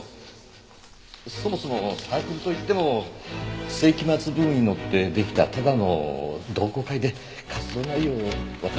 そもそもサークルといっても世紀末ブームにのってできたただの同好会で活動内容を私は全く。